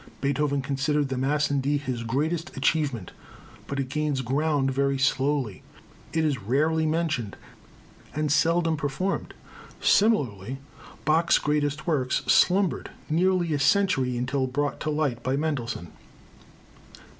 Beethoven considered the Mass in D his greatest achievement, but it gains ground very slowly. It is rarely mentioned, and seldom performed. Similarly Bach's greatest works slumbered nearly a century until brought to light by Mendelssohn.